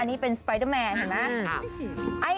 อันนี้เป็นสไปเดอร์แมนใช่ไหม